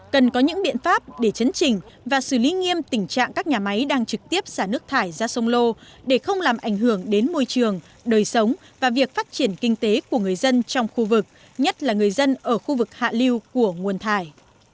cần có những biện pháp để chấn trình và xử lý nghiêm tình trạng các nhà máy